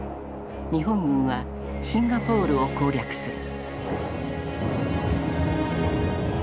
日本軍はシンガポールを攻略する。